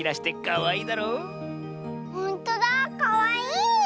かわいい！